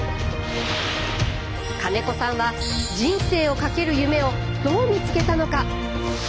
金子さんは人生をかける夢をどう見つけたのか？